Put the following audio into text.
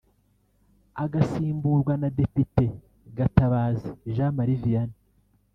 agasimburwa na Depite Gatabazi Jean Marie Vianney